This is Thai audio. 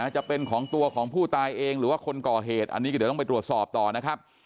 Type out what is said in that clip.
จะเป็นของตัวของผู้ตายเองหรือว่าคนก่อเหตุอันนี้ก็เดี๋ยวต้องไปตรวจสอบต่อนะครับ